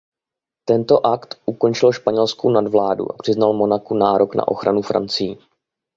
Tento akt ukončil Španělskou nadvládu a přiznal Monaku nárok na ochranu Francií.